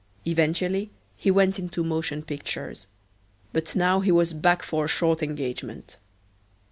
Eventually he went into motion pictures, but now he was back for a short engagement.